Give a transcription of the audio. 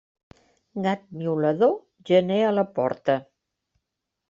Gat miolador, gener a la porta.